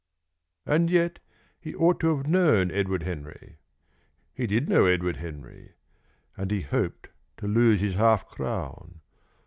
And yet he ought to have known Edward Henry. He did know Edward Henry. And he hoped to lose his half crown.